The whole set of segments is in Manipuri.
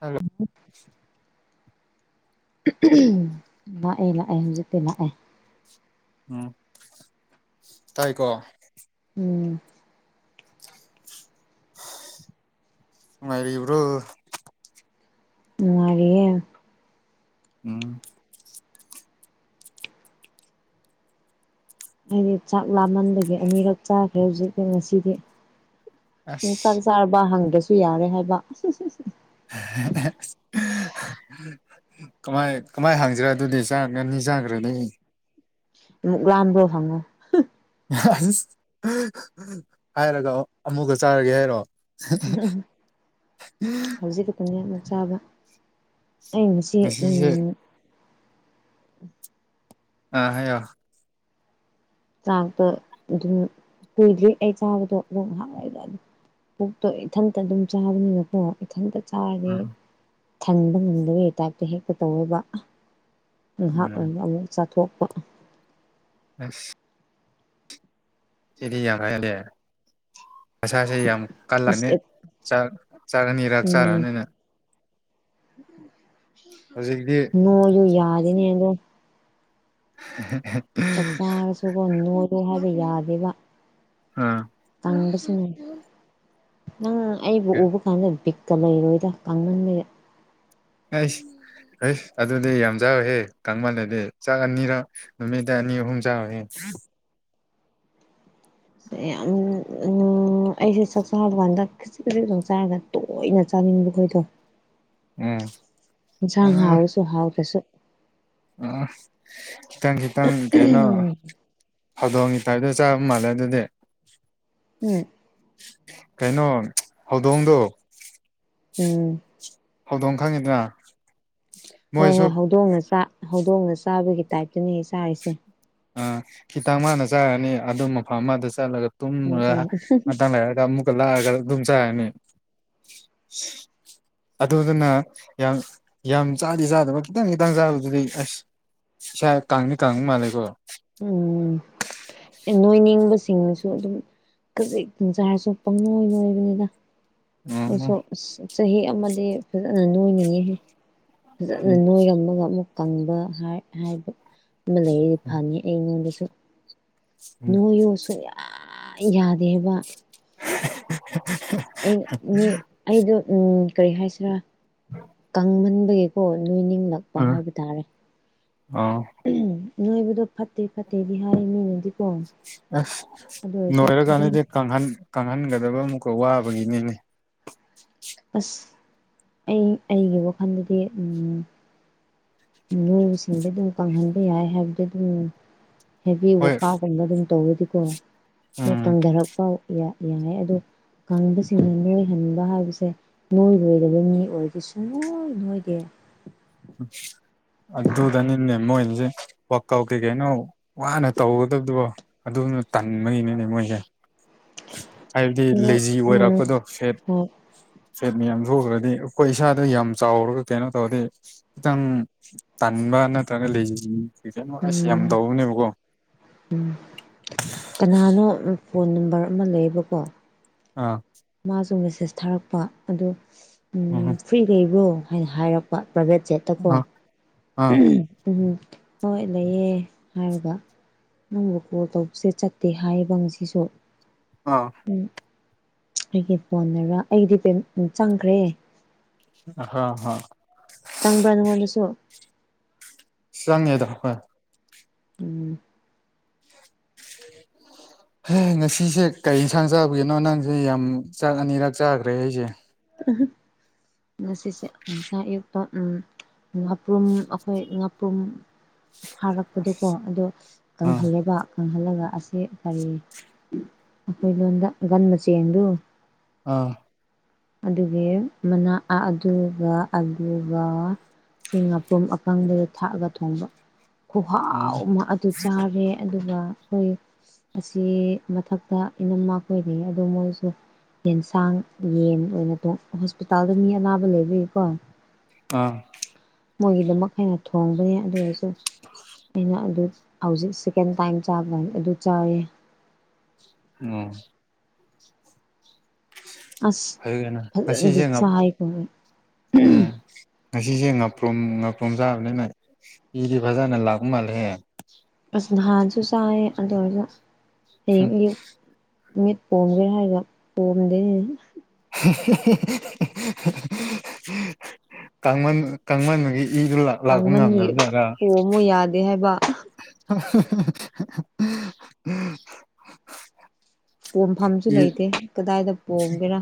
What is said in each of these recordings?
ꯍꯜꯂꯣ ꯎꯝ ꯂꯥꯛꯦ ꯂꯥꯛꯑꯦ ꯍꯧꯖꯤꯛꯇ ꯂꯥꯛꯦ ꯎꯝ ꯇꯥꯏꯀꯣ ꯎꯝ ꯃꯥꯔꯤ ꯏꯕ꯭ꯔꯣ ꯃꯔꯤꯌꯦꯦ ꯎꯝ ꯑꯩꯗꯤ ꯆꯥꯛ ꯂꯥꯃꯟꯗꯒꯤ ꯑꯅꯤꯔꯛ ꯆꯥꯈ꯭ꯔꯦ ꯍꯧꯖꯤꯛꯇꯤ ꯉꯁꯤꯗꯤ ꯆꯥꯛ ꯑꯁ ꯆꯥꯔꯕ ꯍꯪꯗ꯭ꯔꯁꯨ ꯌꯥꯔꯦ ꯍꯥꯏꯕ ꯑ [inaudible] ꯀꯃꯥꯏ ꯀꯃꯥꯏ ꯍꯥꯡꯖꯔꯥ ꯑꯗꯨꯗꯤ ꯆꯥꯒꯅꯤ ꯆꯥꯈ꯭ꯔꯗꯤ ꯏꯛ ꯔꯥꯟꯕ ꯔꯣ ꯐꯉꯣ ꯁ ꯍꯥꯏꯔꯒ ꯑꯃꯨꯛꯀ ꯆꯥꯔꯒꯦ ꯍꯥꯏꯔꯣ ꯎ ꯍꯧꯖꯤꯛꯀ ꯄꯨꯟꯌꯥ ꯆꯥꯕ ꯑ ꯉꯁꯤ ꯉꯁꯤꯁꯦ ꯑ ꯍꯥꯏꯣ ꯆꯥꯛꯇ ꯑꯗꯨꯝ ꯀꯨꯏꯗ ꯑꯩ ꯆꯥꯕꯗꯣꯣꯡ ꯍꯥꯡꯏꯗ ꯄꯨꯣꯛꯇꯣ ꯏꯊꯟꯇ ꯑꯗꯨꯝ ꯆꯥꯕꯅꯤꯅꯀꯣ ꯏꯊꯟꯇ ꯆꯥꯔꯗꯤ ꯊꯟꯕ ꯉꯝꯗꯕꯒꯤ ꯇꯥꯏꯞꯇ ꯍꯦꯛꯇ ꯇꯧꯋꯦꯕ ꯉꯥꯏꯍꯥꯛ ꯎꯝ ꯑꯃꯨꯛ ꯆꯥꯊꯣꯛꯄ ꯑꯁ ꯁꯤꯗꯤ ꯌꯥꯝꯦ ꯑꯁꯁ ꯌꯥꯝ ꯀꯜꯂꯅꯤ ꯑꯁ ꯆꯥꯅꯤꯔꯛ ꯆꯥꯔꯛꯑꯅꯤꯅꯦ ꯍꯧꯖꯤꯛꯇꯤ ꯅꯣꯡꯖ ꯌꯥꯗꯅꯦ ꯍꯥꯏꯗ ꯍ ꯆꯥꯛ ꯆꯥꯔꯁꯨꯒ ꯅꯂꯨ ꯍꯥꯏꯕ ꯌꯥꯗꯦꯕ ꯑꯥ ꯇꯥꯡꯗ ꯁꯃ ꯅꯪ ꯑꯩꯕꯨ ꯎꯕ ꯀꯥꯟꯗ ꯕꯤꯛꯀ ꯂꯩꯔꯣꯏꯗ ꯀꯪꯍꯟꯕꯔꯦ ꯁ ꯍꯁ ꯑꯗꯨꯗꯤ ꯌꯥꯝ ꯆꯥꯎꯍꯦ ꯀꯃꯜꯗꯗꯤ ꯆꯥꯛ ꯑꯅꯤꯔ ꯅꯨꯃꯤꯠꯇ ꯑꯅꯤ ꯑꯍꯨꯝ ꯆꯥꯎꯋꯍꯦ ꯑꯝ ꯎꯝ ꯑꯩꯁꯦ ꯆꯥꯛ ꯆꯥꯔ ꯗꯨꯀꯥꯟꯗ ꯈꯈꯤꯖꯤꯛ ꯈꯤꯖꯤꯛ ꯆꯥꯔꯒ ꯇꯣꯏꯅ ꯆꯥꯅꯤꯡꯕ ꯈꯣꯏꯗꯣ ꯎꯝ ꯌꯦꯟꯁꯥꯡ ꯍꯥꯎꯋꯁꯨ ꯍꯥꯎꯔ꯭ꯔꯁꯨ ꯑ ꯈꯤꯇꯪ ꯈꯤꯇꯪ ꯀꯩꯅꯣ ꯎꯝ ꯍꯧꯗꯣꯡꯉ ꯁꯗꯣ ꯆꯥꯕ ꯃꯥꯜꯂꯦ ꯑꯗꯨꯗꯤ ꯎꯝ ꯀꯩꯅꯣ ꯍꯧꯗꯣꯡꯗꯣ ꯎꯝ ꯍꯧꯗꯣꯡ ꯈꯪꯉꯤꯗꯅ ꯍꯣꯏ ꯃꯣꯏꯁꯨ ꯍꯣꯏ ꯍꯧꯗꯣꯡꯅ ꯍꯧꯗꯣꯡꯅ ꯆꯥꯕꯒꯤ ꯇꯥꯏꯞꯇꯨꯅꯦ ꯆꯥꯔꯤꯁꯦ ꯑꯥ ꯈꯤꯇꯪ ꯃꯥꯅ ꯆꯥꯔꯅꯤ ꯑꯗꯨꯝ ꯃꯐꯝ ꯑꯃꯗ ꯆꯠꯂꯒ ꯇꯨꯝ ꯎꯝ ꯎꯝ ꯃꯇꯥꯡ ꯂꯩꯔꯒ ꯑꯃꯨꯛꯀ ꯂꯥꯛꯑꯒ ꯑꯗꯨꯝ ꯆꯅꯤ [inaudible] ꯑꯗꯨꯗꯨꯅ ꯌꯥꯝ ꯌꯥꯝ ꯆꯥꯗꯤ ꯆꯥꯗꯕ ꯈꯤꯇꯪ ꯈꯤꯇꯪ ꯆꯥꯕꯗꯨꯗꯤ ꯑꯁ ꯁ ꯀ ꯀꯥꯡꯅꯤ ꯀꯥꯡ ꯃꯥꯂꯒꯣ ꯎꯝ ꯅꯣꯏꯅꯤꯡꯕꯁꯤꯡꯅꯁꯨ ꯑꯗꯨꯝ ꯈꯖꯤꯛ ꯇꯪꯖꯥꯔꯁꯨ ꯄꯪꯪꯂꯣꯏ ꯅꯣꯏꯕꯅꯤꯅ ꯎꯝ ꯑꯩꯁꯨ ꯆꯍꯤ ꯑꯃꯗꯤ ꯐꯖꯅ ꯅꯣꯏꯅꯤꯡꯉꯤꯍ ꯐꯖꯅ ꯎꯝ ꯅꯣꯏꯔꯝꯃꯒ ꯑꯃꯨꯛ ꯀꯪꯕ ꯍꯥꯏꯕ ꯃ ꯂꯩꯔꯤꯗꯤ ꯐꯪꯉꯤ ꯑꯩꯉꯣꯟꯗꯁꯨ ꯎꯝ ꯅꯣꯏ ꯌꯨꯁꯨ ꯌꯥꯗꯦꯕ ꯑꯩꯅ ꯃꯤ ꯑꯩꯗꯣ ꯎꯝ ꯀꯔꯤ ꯍꯥꯏꯁꯤꯔꯥ ꯀꯪꯃꯟꯕꯒꯤꯀꯣ ꯂꯣꯏꯅꯤꯡꯂꯛꯄ ꯍꯥꯏꯕ ꯇꯥꯔꯦ ꯑꯥ ꯅꯣꯏꯕꯗꯣ ꯐꯠꯇꯦ ꯐꯠꯇꯦꯗꯤ ꯍꯥꯏ ꯃꯤꯅꯗꯤ ꯑꯁ ꯑꯗꯨꯝ ꯅꯣꯏꯔꯀꯥꯟꯅꯗꯤ ꯀꯥꯡꯪꯍꯟ ꯀꯪꯍꯟꯒꯗꯕ ꯑꯃꯨꯛꯀ ꯋꯥꯕꯒꯤꯅꯤꯅꯦ ꯑꯁ ꯑꯩ ꯑꯩꯒꯤ ꯋꯥꯈꯜꯗꯗꯤ ꯎꯝ ꯅꯣꯏꯕꯨꯁꯤꯡꯗꯤꯩ ꯑꯗꯨꯝ ꯀꯪꯍꯟꯕ ꯌꯥꯏ ꯍꯥꯏꯕꯗꯤ ꯑꯗꯨꯝ ꯍꯦꯚ ꯍꯣꯏ ꯋꯥꯋꯀꯥꯒꯨꯝꯕ ꯑꯗꯨꯝ ꯇꯧꯔꯗꯤꯀꯣ ꯃꯣꯏ ꯎꯝ ꯀꯪꯊꯔꯛꯄ ꯌꯥꯏ ꯑꯗꯣ ꯀꯥꯡꯪꯕꯁꯤꯡꯅ ꯅꯣꯏꯍꯟꯕ ꯍꯥꯏꯕꯁꯦ ꯅꯣꯏ ꯂꯣꯏꯗꯕ ꯃꯤ ꯑꯣꯏꯔꯗꯤ ꯁꯨꯡ ꯅꯣꯏꯗꯦ ꯎꯝ ꯑꯗꯨꯗꯅꯤꯅꯦ ꯃꯣꯏꯅꯁꯦ ꯋꯥꯛꯀꯥꯎꯠ ꯀꯩ ꯀꯩꯅꯣ ꯋꯥꯅ ꯇꯧꯒꯗꯕꯗꯨꯣ ꯑꯗꯨ ꯇꯟꯕꯩꯅꯤꯅꯦ ꯃꯣꯏꯁꯦ ꯍꯥꯏꯕꯗꯤ ꯑꯗꯣ ꯂꯩꯖꯤ ꯎꯝ ꯑꯣꯏꯔꯛꯄꯗꯣ ꯐꯦꯠ ꯍꯣꯏ ꯐꯦꯠ ꯃꯌꯥꯝ ꯊꯣꯛꯈ꯭ꯔꯗꯤ ꯑꯩꯈꯣꯏ ꯏꯁꯥꯗ ꯌꯥꯝ ꯆꯥꯎꯔꯒ ꯀꯩꯅꯣ ꯇꯧꯔꯗꯤ ꯈꯤꯇꯪ ꯇꯟꯥꯟꯕ ꯅꯠꯇ꯭ꯔꯒ ꯂꯩꯁꯤꯟ ꯀꯣꯁ ꯌꯥꯝ ꯇꯧꯕꯅꯦꯕꯀꯣ ꯎꯝ ꯀꯅꯥꯅꯣ ꯐꯣꯟ ꯅꯝꯕꯔ ꯑꯃ ꯂꯩꯌꯦꯕꯀꯣ ꯑꯥ ꯃꯥꯁꯨ ꯃꯦꯁꯦꯁ ꯊꯥꯔꯛꯄ ꯑꯣ ꯎꯝ ꯐ꯭ꯔꯤ ꯂꯩꯩꯕ꯭ꯔꯣ ꯍꯥꯏꯅ ꯍꯥꯏꯔꯛꯄ ꯄ꯭ꯔꯥꯏꯚꯦꯠ ꯆꯦꯠꯇꯀꯣ ꯑꯥ ꯑꯥ ꯎꯝꯝ ꯍꯣꯏ ꯂꯩꯑꯦ ꯍꯥꯏꯔꯒ ꯅꯪꯕꯨ ꯀꯣꯜ ꯇꯧꯕꯁꯦ ꯆꯠꯇꯦ ꯍꯥꯏꯌꯦꯕ ꯉꯁꯤꯁꯨ ꯑꯥ ꯑꯩꯒꯤ ꯐꯣꯟꯗꯨꯔ ꯑꯩꯒꯤꯗꯤ ꯆꯪꯈ꯭ꯔꯦ ꯍ ꯍ ꯇꯪꯕ꯭ꯔꯥ ꯅꯉꯣꯟꯗꯁꯨ ꯆꯪꯉꯦꯗ ꯍꯣꯏ ꯎꯝ [inaudible] ꯍ ꯉꯁꯤꯁꯦ ꯀꯩ ꯌꯦꯟꯁꯥꯡ ꯆꯥꯕꯒꯤꯅꯣ ꯅꯍꯥꯡꯁꯦ ꯌꯥꯝ ꯆꯥꯛ ꯑꯅꯤꯔꯛ ꯆꯥꯈ꯭ꯔꯦ ꯑꯩꯁꯦ ꯑ ꯉꯁꯤꯁꯦ ꯉꯁꯥꯏ ꯑꯌꯨꯛꯇ ꯉꯥꯄ꯭ꯔꯨꯝ ꯑꯩꯈꯣꯏ ꯉꯥꯄ꯭ꯔꯨꯝ ꯐꯥꯔꯛꯄꯗꯣꯀꯣ ꯑꯗꯣ ꯑꯥ ꯀꯪꯍꯜꯂꯦꯕ ꯐꯪꯍꯜꯂꯒ ꯑꯁꯤ ꯀꯔꯤ ꯑꯩꯈꯣꯏ ꯂꯣꯟꯗꯒꯟ ꯃ ꯆꯦꯡꯗꯨ ꯑꯥ ꯑꯗꯨꯒꯤ ꯃꯅꯥ ꯑꯗꯨꯒ ꯑꯗꯨꯒꯕ ꯁꯤꯡ ꯑꯄ꯭ꯔꯨꯝ ꯑꯀꯪꯕꯗ ꯊꯥꯛꯑꯒ ꯊꯣꯡꯕ ꯎꯝ ꯈꯍꯥꯎ ꯑꯃ ꯑꯗꯨ ꯆꯥꯔꯦ ꯑꯗꯨ ꯑꯗꯨꯒ ꯑꯩꯈꯣꯏ ꯑꯁꯤ ꯃꯊꯛꯇ ꯏꯅꯝꯃ ꯑꯣꯏꯔꯤ ꯑꯗꯨꯣ ꯃꯣꯏꯁꯨ ꯌꯦꯟꯁꯥꯡ ꯌꯦꯟ ꯑꯣꯏꯅ ꯍꯣꯁꯄꯤꯇꯥꯜꯗ ꯃꯤ ꯑꯅꯥꯕ ꯂꯩꯕꯤꯔꯤꯀꯣ ꯑꯥ ꯃꯣꯏꯒꯤꯗꯃꯛ ꯍꯦꯟꯅ ꯊꯣꯡꯕꯅꯦ ꯑꯗꯨꯔꯁꯨ ꯑꯩꯅ ꯑꯗꯨ ꯍꯧꯖꯤꯛ ꯁꯦꯀꯦꯟ ꯇꯥꯏꯝ ꯆꯥꯕ ꯑꯗꯨ ꯆꯥꯌꯦ ꯑ ꯑꯁ ꯐꯩꯅ ꯐꯖꯅꯗꯤ ꯉꯁꯤꯁꯦ ꯉ ꯆꯥꯏꯀꯣ ꯎꯝ ꯉꯁꯤꯁꯦ ꯉꯥꯄ꯭ꯔꯣꯝ ꯉꯥꯄ꯭ꯔꯣꯝ ꯆꯥꯕꯅꯤꯅ ꯏꯗꯤ ꯐꯖꯅ ꯂꯥꯛꯎ ꯃꯥꯜꯂꯦꯍꯦ ꯅꯍꯥꯁꯨ ꯆꯥꯏꯌꯦ ꯑꯗꯨ ꯑꯣꯏꯔꯁꯨ ꯍꯌꯦꯡ ꯎꯝ ꯑꯌꯨꯛ ꯃꯤꯠ ꯄꯣꯝꯒꯦ ꯍꯥꯏꯔꯒ ꯄꯣꯝꯗꯦꯅꯦ ꯀꯥꯡꯃꯟ ꯀꯥꯡꯃꯟꯗꯨꯒꯤ ꯏꯗꯨ ꯂꯥꯛꯄ ꯀꯥꯡꯃꯟꯕꯒꯤ ꯉꯝꯗꯕꯖꯔꯥ ꯄꯣꯝꯃꯨ ꯌꯥꯗꯦ ꯍꯥꯏꯕ [unintelligible] ꯄꯣꯝꯐꯝꯁꯨ ꯏ ꯂꯩꯇꯦ ꯀꯗꯥꯏꯗ ꯄꯣꯝꯒꯦꯔ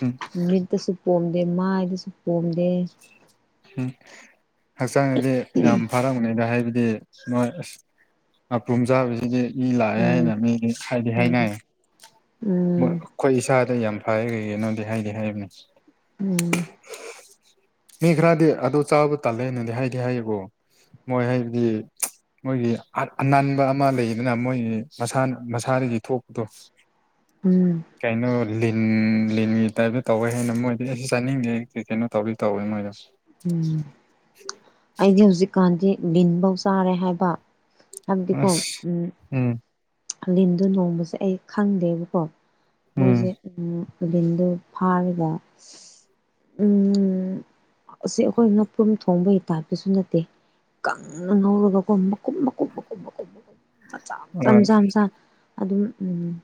ꯎꯝ ꯅꯨꯃꯤꯠꯇꯁꯨ ꯄꯣꯝꯦ ꯃꯥ ꯏꯗꯤꯁꯨꯄꯣꯝꯗꯦ ꯎꯝ ꯍꯛꯆꯥꯡꯗꯗꯤ ꯌꯥꯝ ꯐꯥꯔꯝꯅꯦꯅ ꯍꯥꯏꯕꯗꯤ ꯗꯤ ꯅꯣꯏ ꯑꯁ ꯑꯄ꯭ꯔꯣꯨꯝ ꯆꯥꯕꯁꯤꯗꯤ ꯃꯤ ꯂꯥꯛꯑꯦ ꯎꯝ ꯍꯥꯏꯅ ꯃꯤ ꯍꯥꯏꯗꯤ ꯎꯝ ꯍꯥꯏꯅ ꯎꯝ ꯑꯩꯈꯣꯏ ꯏꯁꯥꯗ ꯌꯥꯝ ꯍꯥꯏꯈꯒꯤꯦ ꯅꯪꯗꯤ ꯍꯥꯏꯗꯤ ꯍꯥꯏꯕꯅꯦ ꯎꯝ ꯃꯤ ꯈꯔꯗꯤ ꯑꯗꯨ ꯆꯥꯕ ꯇꯥꯜꯂꯦꯅꯗꯤ ꯍꯥꯏꯗꯤ ꯍꯥꯏꯕꯣ ꯃꯣꯏ ꯍꯥꯏꯕꯗꯤ ꯃꯣꯏꯒꯤ ꯑꯅꯥꯟꯕ ꯑꯃ ꯂꯩꯗꯅ ꯃꯣꯏꯒꯤ ꯃꯁꯥꯅ ꯃꯁꯥꯗꯒꯤ ꯊꯣꯛꯄꯗꯣ ꯎꯝ ꯀꯩꯅꯩꯅꯣ ꯂꯤꯟ ꯂꯤꯟꯒꯤ ꯇꯥꯏꯞꯇ ꯇꯧꯋꯦ ꯍꯥꯏꯅ ꯃꯣꯏꯗꯤ ꯑꯩꯁꯨ ꯆꯥꯅꯤꯡꯗꯦ ꯀꯩꯅꯣ ꯇꯧꯋ ꯇꯧꯋꯦ ꯃꯣꯏꯗꯣ ꯎꯝ ꯑꯩꯗꯤ ꯍꯧꯖꯤꯛꯀꯥꯟꯗꯤ ꯂꯤꯟꯐꯧ ꯆꯥꯔꯦ ꯍꯥꯏꯕ ꯑꯗꯤ ꯀ ꯑꯁ ꯎꯝ ꯂꯤꯟꯗꯣ ꯅꯣꯡꯕꯁꯦ ꯑꯩ ꯈꯪꯗꯦꯕꯀꯣ ꯎꯝ ꯃꯣꯏꯁꯦ ꯕꯤꯟꯗꯨ ꯐꯥꯔꯤꯕ ꯎꯝꯝ ꯑꯁꯤ ꯑꯩꯈꯣꯏꯅꯄ꯭ꯔꯨꯝ ꯊꯣꯡꯕ ꯍꯩꯇꯥꯕꯁꯨ ꯅꯠꯇꯦ ꯀꯪꯅ ꯉꯧꯔꯒꯨꯝꯕ ꯀꯨꯝꯕ ꯀꯨꯝꯕ ꯀꯨꯝ [unintelligible] ꯖꯝ [unintelligible] ꯑꯗꯨꯝ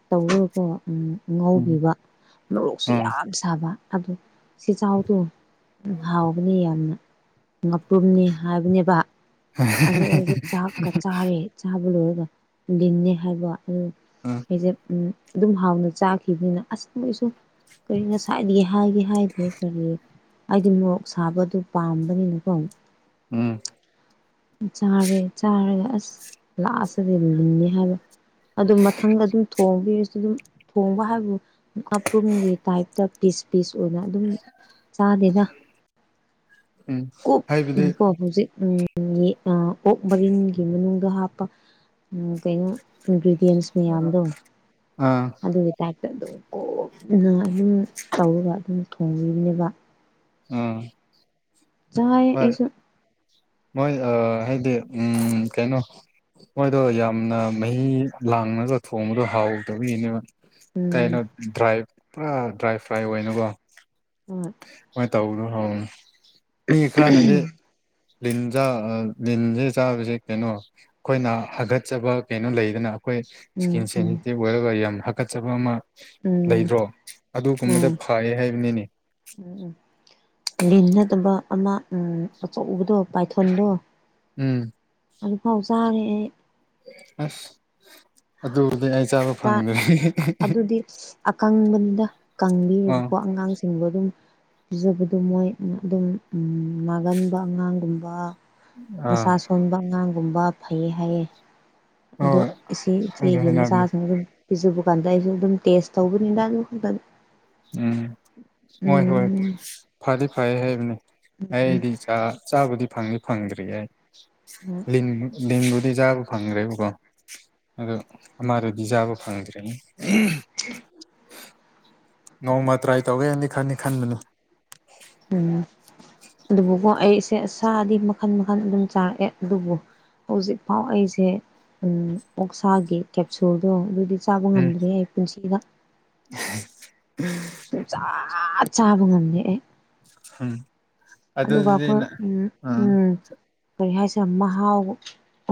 ꯇꯧꯔꯒꯀꯣ ꯎꯝ ꯉꯥꯎꯕꯤꯕ ꯃꯣꯔꯣꯛꯁꯨ ꯎꯝ ꯌꯥꯝ ꯁꯥꯕ ꯑꯗꯣ ꯆꯦꯆꯥꯎꯗꯣ ꯍꯥꯎꯕꯅꯦ ꯌꯥꯝꯅ ꯃꯄ꯭ꯔꯨꯝꯅꯤ ꯍꯥꯏꯕꯅꯦꯕ ꯑꯗꯨ ꯑꯩ ꯆꯥꯛꯀ ꯆꯥꯔꯦ ꯆꯥꯕ ꯂꯣꯏ ꯂꯤꯅꯤ ꯍꯥꯏꯕ ꯑꯗꯨ ꯎꯝ ꯑꯩꯁꯦ ꯎꯝ ꯑꯗꯨꯝ ꯍꯥꯎꯅ ꯆꯥꯈꯤꯕꯅꯤꯅ ꯑꯁ ꯃꯣꯏꯁꯨ ꯀꯔꯤ ꯉꯁꯥꯏ ꯍꯥꯏꯒ ꯍꯥꯏꯗꯦ ꯀ ꯑꯩꯗꯤ ꯃꯣꯔꯣꯛ ꯁꯥꯕꯗꯨ ꯄꯥꯝꯕꯅꯤꯅꯀꯣ ꯎꯝ ꯆꯥꯔꯦ ꯆꯥꯔꯒ ꯑꯁ ꯂꯥꯛꯑꯁꯤꯗꯤ ꯂꯤꯅꯤ ꯍꯥꯏꯕ ꯑꯗꯨꯝ ꯃꯊꯪ ꯑꯗꯨꯝ ꯊꯣꯡꯕꯤ ꯑꯗꯨꯝ ꯊꯣꯡꯕ ꯍꯥꯏꯕꯨ ꯑꯄ꯭ꯔꯨꯝꯒꯤ ꯇꯥꯏꯞꯇ ꯄꯤꯁ ꯄꯤꯁ ꯑꯣꯏꯅ ꯑꯗꯨꯝ ꯆꯥꯗꯦꯅ ꯎꯝ ꯀ ꯍꯥꯏꯕꯗꯤ ꯀꯕꯨꯖꯤ ꯎꯝ ꯑꯣꯛ ꯃꯔꯤꯟꯒꯤ ꯃꯅꯨꯡꯗ ꯍꯥꯞꯄ ꯀꯩꯅꯣ ꯏꯟꯒ꯭ꯔꯤ ꯁ ꯃꯌꯥꯝꯗꯣ ꯑꯥ ꯑꯗꯨꯒꯤ ꯑꯗꯨꯝ ꯀꯨꯞꯅ ꯑꯗꯨꯝ ꯇꯧꯔꯒ ꯑꯗꯨꯝ ꯊꯣꯡꯕꯤꯕꯅꯦꯕ ꯎꯝ ꯆꯥꯏ ꯍꯣꯏ ꯑꯩꯁꯨ ꯃꯣꯏ ꯍꯥꯏꯗꯤ ꯎꯝ ꯀꯩꯅꯣ ꯃꯣꯏꯗꯣ ꯌꯥꯝꯅ ꯃꯍꯤ ꯂꯥꯡꯉꯒ ꯊꯣꯡꯕꯗꯣ ꯍꯥꯎꯗꯕꯒꯤꯅꯦꯕ ꯎꯝ ꯀꯩꯅꯣ ꯗ꯭ꯔꯥꯏ ꯄꯨꯔꯥ ꯗ꯭ꯔꯥꯏ ꯐ꯭ꯔꯥꯏ ꯑꯣꯏꯅ ꯑꯣꯏꯅꯨꯀꯣ ꯎꯝ ꯇꯧꯔꯣ ꯍꯨꯝ ꯃꯤ ꯈꯔꯅꯗꯤ ꯂꯤꯟꯖ ꯂꯤꯟꯁꯦ ꯆꯥꯕꯁꯦ ꯀꯩꯅꯣ ꯑꯩꯈꯣꯏꯅ ꯍꯥꯒꯠꯆꯕ ꯀꯩꯅꯣ ꯂꯩꯗꯅ ꯑꯩꯈꯣꯏ ꯎꯝ ꯏꯁꯀꯤꯟ ꯎꯝ ꯁꯦꯟꯁꯤꯇꯤꯞ ꯑꯣꯏꯔꯒ ꯌꯥꯝ ꯍꯥꯀꯠꯆꯕ ꯑꯃ ꯎꯝ ꯂꯩꯗ꯭ꯔꯣ ꯑꯗꯨꯒꯨꯝꯕꯗ ꯎꯝ ꯐꯔꯦ ꯍꯥꯏꯕꯅꯤꯅꯦ ꯎꯝ ꯎꯝ ꯂꯤꯟ ꯅꯠꯇꯕ ꯑꯃ ꯎꯝ ꯑꯆꯧꯕꯗꯣ ꯄꯥꯏꯊꯣꯟꯗꯣ ꯎꯝ ꯑꯗꯨꯐꯥꯎ ꯆꯥꯔꯦ ꯑꯩ ꯑꯁ ꯑꯗꯨꯗꯤ ꯆꯥ ꯑꯗꯨꯗꯤ ꯑꯀꯪꯕ ꯗ ꯑ ꯀꯪꯕꯤꯔꯒꯀꯣ ꯑꯉꯥꯡꯁꯤꯕꯨ ꯑꯗꯨꯝ ꯄꯤꯖꯕꯗꯣ ꯃꯣꯏ ꯑꯗꯨꯝ ꯅꯥꯒꯟꯕ ꯑꯉꯥꯡꯒꯨꯝꯕ ꯑꯥ ꯃꯁꯥ ꯁꯣꯟꯕ ꯑꯉꯥꯡꯒꯨꯝꯕ ꯐꯩꯌꯦ ꯍꯥꯏꯌꯦ꯫ ꯑꯗꯣ ꯍꯣꯏ ꯏꯆꯦ ꯍꯥꯏꯅ ꯏꯆꯦꯒ ꯃꯆꯥ ꯍꯥꯏꯅꯕꯅꯦ ꯑꯗꯨ ꯄꯤꯖꯕꯀꯥꯟꯗ ꯑꯩꯁꯨ ꯑꯗꯨꯝ ꯇꯦꯁ ꯇꯧꯕꯅꯤꯗ ꯑꯗꯨꯝ ꯎꯝ ꯍꯣꯏ ꯍꯣꯏ ꯐꯗꯤ ꯐꯌꯦ ꯍꯥꯏꯕꯅꯤ ꯑꯩꯗꯤ ꯎꯝ ꯆꯥꯕ ꯆꯥꯕꯗꯤ ꯐꯪꯗꯤ ꯐꯪꯗ꯭ꯔꯤ ꯑꯩ ꯂꯤꯟ ꯂꯤꯟꯕꯨ ꯑꯗꯨꯗꯤ ꯆꯥꯕ ꯐꯪꯈ꯭ꯔꯦꯕꯀꯣ ꯑꯗꯣ ꯑꯃꯗꯨꯗꯤ ꯆꯥꯕ ꯐꯪꯗ꯭ꯔꯦꯅꯤ ꯎꯝ ꯅꯣꯡꯃ ꯇ꯭ꯔꯥꯏ ꯇꯧꯒꯦ ꯍꯥꯏꯅꯤ ꯈꯅꯤ ꯈꯟꯕꯅꯤ ꯎꯝ ꯑꯗꯨꯕꯨꯀꯣ ꯑꯩꯁꯦ ꯁꯥꯗꯤ ꯃꯈꯟ ꯃꯈꯟ ꯑꯗꯨꯝ ꯆꯥꯔꯛꯑꯦ ꯑꯗꯨꯕꯨ ꯍꯧꯖꯤꯛꯐꯥꯎ ꯑꯩꯁꯦ ꯎꯝ ꯑꯣꯛꯁꯥꯒꯤ ꯀꯦꯞꯁꯨꯜꯗꯣ ꯑꯗꯨꯗꯤ ꯆꯥꯕ ꯎꯝ ꯉꯥꯟꯗ꯭ꯔꯤ ꯑꯩ ꯄꯨꯟꯁꯤꯗ [unintelligible] ꯁꯨꯡꯆ ꯆꯕ ꯉꯝꯗꯦ ꯑꯩ ꯎꯝ ꯑꯗꯨꯒ ꯑꯗꯨꯗꯤ ꯑꯩꯈꯣꯏ ꯅꯪ ꯎꯝ ꯎꯝ ꯀꯔꯤ ꯍꯥꯏꯁꯦ ꯃꯥꯍꯥꯎ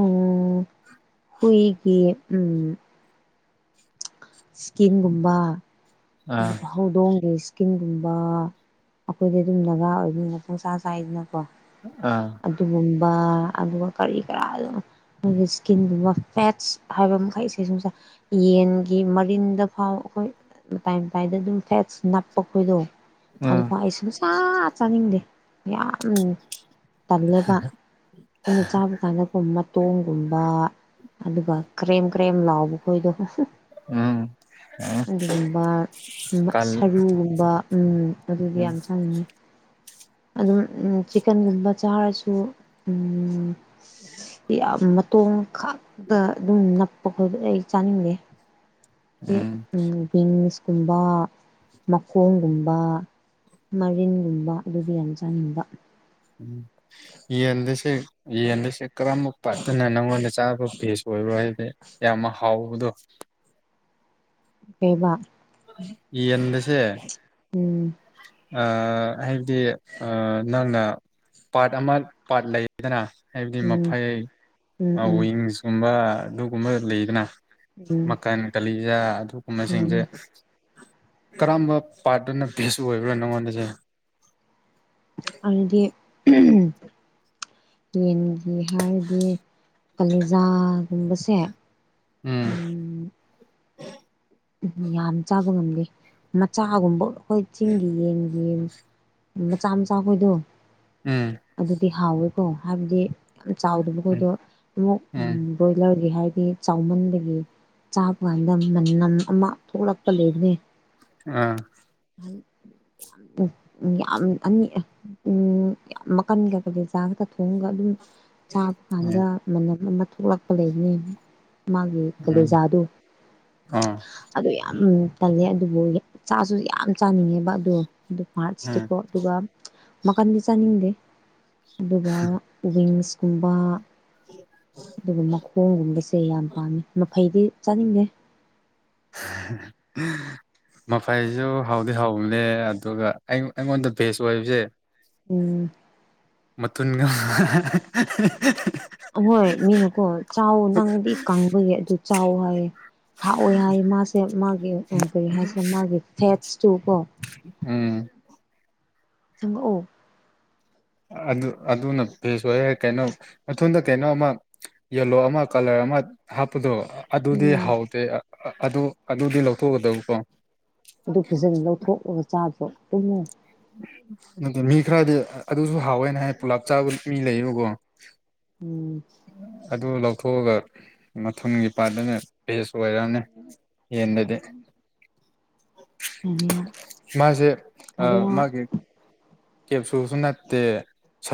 ꯎꯝ ꯍꯨꯏꯒꯤ ꯎꯝ ꯏꯁꯀꯤꯟꯒꯨꯝꯕ ꯑꯥ ꯑꯗꯨꯒ ꯍꯧꯗꯣꯡꯒꯤ ꯀꯀꯤꯡꯒꯨꯝꯕ ꯑꯩꯈꯣꯏꯗꯤ ꯑꯗꯨꯝ ꯅꯥꯒꯥ ꯑꯣꯏꯅꯤ ꯄꯣꯡꯁꯥ ꯁꯥꯏꯗꯅ ꯀꯣ ꯑꯥ ꯑꯗꯨꯒꯨꯝꯕꯥ ꯑꯗꯨꯒ ꯀꯔꯤ ꯀꯔꯥ ꯑꯗꯨꯝ ꯃꯣꯏꯒꯤ ꯏꯁꯀꯤꯟꯒꯨꯝꯕ ꯐꯦꯠꯁ ꯍꯥꯏꯕ ꯃꯈꯩꯁꯦ ꯁꯨꯝꯁ ꯌꯦ ꯌꯦꯟꯒꯤ ꯃꯔꯤꯟꯗ ꯐꯥꯎ ꯑꯩꯈꯣꯏ ꯃꯇꯥꯏ ꯃꯇꯥꯏꯗ ꯑꯗꯨꯝ ꯐꯦꯠꯁ ꯅꯞꯄ ꯈꯣꯏꯗꯣ ꯎꯝ ꯑꯗꯨꯒꯣ ꯑꯩ ꯁ ꯑꯥ ꯆꯥꯅꯤꯡꯗꯦ ꯌꯥꯝ ꯇꯜꯂꯦꯕ ꯑꯩꯅ ꯆꯥꯕ ꯀꯥꯟꯗꯒꯨꯝ ꯇꯣꯡꯒꯨꯝꯕ ꯑꯗꯨꯒ ꯀ꯭ꯔꯦꯝ-ꯀ꯭ꯔꯦꯝ ꯂꯥꯎꯕ ꯈꯣꯏꯗꯣ ꯍꯨꯝ ꯎꯝ ꯑꯥ꯫ ꯑꯗꯨꯒꯨꯝꯕ ꯁꯔꯨꯒꯨꯝꯕ ꯎꯝ ꯑꯗꯨꯗꯤ ꯎꯝ ꯌꯥꯝ ꯆꯪꯅꯤꯉꯦ꯫ ꯑꯗꯨ ꯎꯝ ꯆꯤꯛꯀꯟꯒꯨꯝꯕ ꯆꯥꯔꯁꯨ ꯎꯝ ꯁꯤ ꯌꯥꯝ ꯃꯇꯣꯡ ꯈꯥꯛꯛꯇ ꯑꯗꯨꯝ ꯅꯞꯄ ꯈꯣꯏꯗꫭ ꯑꯩ ꯆꯥꯅꯤꯡꯗꯦ꯫ ꯎꯝ ꯕꯤꯟꯁꯀꯨꯝꯕ ꯃꯈꯣꯡꯒꯨꯝꯕ ꯃꯔꯤꯟꯒꯨꯝꯕ ꯑꯗꯨꯗꯤ ꯌꯥꯝꯟ ꯆꯥꯅꯤꯡꯕ꯫ ꯎꯝ ꯌꯦꯟꯗꯨꯁꯦ ꯌꯦꯟꯗꯨꯁꯦ ꯀꯔꯝꯕ ꯄꯥꯠꯇꯅ ꯅꯪꯉꯣꯟꯗ ꯆꯥꯅꯕ ꯐꯦꯁ ꯑꯣꯏ꯫ ꯔꯥꯏꯗꯤ ꯌꯥꯝ ꯍꯥꯎꯕꯗꯣ ꯀꯩꯕꯥ꯫ ꯌꯦꯟꯗꯁꯦ ꯎꯝ꯫ ꯑꯥ ꯍꯥꯏꯕꯗꯤ ꯑ ꯅꯪꯅ ꯄꯥꯔꯠ ꯑꯃ ꯄꯥꯔꯠ ꯂꯩꯗꯅ꯫ ꯍꯥꯏꯕꯗꯤ ꯎꯝ ꯃꯐꯩ ꯎꯝ ꯎꯝ ꯋꯤꯡꯁꯀꯨꯝꯕ ꯑꯗꯨꯒꯨꯝꯕ ꯂꯩꯗꯅ꯫ ꯎꯝ ꯃꯈꯀꯟ ꯀꯂꯤꯖꯥ ꯑꯗꯨꯒꯨꯝꯕꯁꯤꯡꯁꯦ ꯎꯝ ꯀꯔꯝꯕ ꯄꯥꯔꯠꯇꯅ ꯚꯦꯁ ꯑꯣꯏꯕ꯭ꯔꯥ ꯅꯪꯉꯣꯟꯗꯁꯦ꯫ ꯑꯗꯨꯗꯤ ꯌꯦꯟꯒꯤ ꯍꯥꯏꯔꯗꯤ ꯀꯂꯦꯖꯥ ꯀꯨꯝꯕꯁꯦ ꯎꯝ ꯎꯝ ꯌꯥꯝ ꯆꯥꯕ ꯉꯝꯗꯦ ꯃꯆꯥꯒꯨꯝꯕ ꯑꯩꯈꯣꯏ ꯆꯤꯡꯒꯤ ꯌꯦꯟꯒꯤ ꯃꯆꯥ-ꯃꯆꯥ ꯈꯣꯏꯗꯨ ꯎꯝ꯫ ꯒꯤ ꯍꯥꯎꯋꯦꯀꯣ ꯍꯥꯏꯕꯗꯤ ꯌꯥꯝ ꯆꯥꯎꯗꯕ ꯎꯝ ꯃꯈꯣꯏꯗꯣ ꯎꯝ ꯕ꯭ꯔꯣꯏꯂꯔꯒꯤ ꯍꯥꯏ ꯗꯤ ꯆꯥꯎꯃꯟꯗꯒꯤ ꯆꯥꯕ ꯀꯥꯟꯗ ꯃꯅꯝ ꯑꯃ ꯊꯣꯛꯂꯛꯄ ꯂꯩꯕꯅꯦ꯫ ꯑꯥ [inaudible] ꯎ ꯌꯥꯝ ꯑꯅꯤ ꯎ ꯌꯥꯝ ꯃꯈꯟ ꯀꯩꯀꯩ ꯆꯥ ꯈꯛꯇ ꯊꯣꯡꯉꯒ ꯑꯗꯨꯝ ꯆꯥꯕ ꯎꯝ ꯀꯥꯟꯗ ꯃꯅꯝ ꯑꯃ ꯊꯣꯛꯂꯛꯄ ꯂꯩꯕꯅꯦ꯫ ꯃꯥꯒꯤ ꯎꯝ ꯀꯂꯦꯖꯥꯗꯨ ꯑꯥ ꯑꯗꯨ ꯌꯥꯝ ꯇꯜꯂꯦ꯫ ꯑꯗꯨꯕꯨ ꯆꯥꯁꯨ ꯌꯥꯝ ꯆꯥꯅꯤꯡꯉꯦꯕ ꯑꯗꯨ ꯑꯗꯨ ꯎꯝ ꯍꯥꯥꯔꯠꯁꯇꯨꯀꯣ ꯑꯗꯨꯒ ꯃꯀꯥꯟꯗꯤ ꯆꯥꯅꯤꯡꯗꯦ꯫ ꯑꯗꯨꯒ ꯋꯤꯡꯁꯀꯨꯝꯕ ꯑꯗꯨꯒ ꯃꯈꯣꯡꯒꯨꯝꯕꯁꯦ ꯁꯦ ꯌꯥꯝ ꯄꯥꯝꯃꯤ ꯃꯐꯩꯗꯤ ꯆꯥꯅꯤꯡꯗꯦ꯫ [unintelligible] ꯃꯐꯩꯁꯨ ꯍꯥꯎꯗꯤ ꯍꯥꯎꯕꯅꯦ ꯑꯗꯨꯒ ꯑꯩꯉꯣꯟꯗ ꯕꯦꯁ ꯑꯣꯏꯕꯁꯦ ꯎꯝ꯫ ꯇꯟꯒ ꯑꯍꯣꯏ ꯃꯤꯅꯀꯣ ꯆꯥꯎ ꯅꯪꯗꯤ ꯀꯪꯕꯒꯤ ꯑꯗꯨ ꯆꯥꯎ ꯍꯥꯏꯌꯦ꯫ ꯍꯥꯛꯑꯣꯏ ꯍꯥꯏ ꯃꯥꯁꯦ ꯃꯥꯒꯤ ꯀꯔꯤ ꯍꯥꯏꯁꯦ ꯃꯥꯒꯤ ꯐꯦꯠꯁꯇꯨꯀꯣ ꯎꯝ꯫ ꯆꯪꯉꯛꯑꫭ꯫ ꯑꯗꯨ ꯑꯗꯨꯅ ꯐꯦꯁ ꯑꯥꯏꯌꯦ ꯀꯩꯅꯣ ꯃꯊꯨꯟꯗ ꯀꯩꯅꯣ ꯑꯃ ꯌꯦꯜꯂꯣ ꯑꯃ ꯀꯂꯔ ꯑꯃ ꯍꯥꯞꯄꯗꯣ ꯑꯗꯨꯗꯤ ꯎꯝ ꯍꯥꯎꯇꯦ ꯑꯗꯨ ꯑꯗꯨꯗꯤ ꯂꯧꯊꯣꯛꯒꯗꯕꯀꯣ ꯑꯗꯨ ꯐꯖꯅ ꯂꯧꯊꯣꯛꯂꯒ ꯆꯥꯗꯣ ꯇꯨꯝꯉ ꯑꯗꯨꯠꯇꯗꯤ ꯃꯤ ꯈꯔꯗꯤ ꯑꯗꯨꯁꯨ ꯍꯥꯎꯋꯦꯅ ꯍꯥꯏ ꯄꯨꯂꯥꯞ ꯆꯥꯕ ꯃꯤ ꯂꯩꯌꯦꯕꯀꯣ ꯎꯝ ꯑꯗꯨ ꯂꯧꯊꯣꯛꯑꯒ ꯃꯊꯒꯤ ꯄꯥꯠꯇꯅꯦ ꯦꯁ ꯑꯣꯏꯔꯛꯅꯤ ꯌꯦꯟꯗꯗꯤ ꯀꯔꯤꯌꯥ ꯃꯥꯁꯦ ꯑ ꯀꯔꯤꯌꯥ ꯃꯥꯒꯤꯦ ꯀ ꯅꯠꯇꯦ